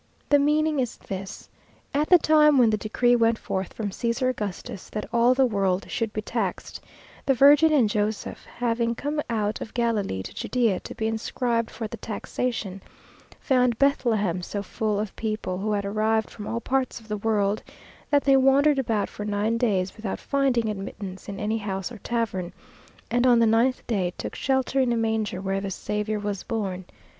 The meaning is this: At the time when the decree went forth from Caesar Augustus, that "all the world should be taxed," the Virgin and Joséph having come out of Galilee to Judaea to be inscribed for the taxation, found Bethlehem so full of people, who had arrived from all parts of the world, that they wandered about for nine days, without finding admittance in any house or tavern, and on the ninth day took shelter in a manger, where the Saviour was born.